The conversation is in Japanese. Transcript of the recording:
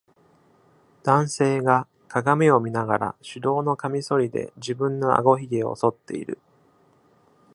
男性が鏡を見ながら手動のかみそりで自分のあごひげを剃っている。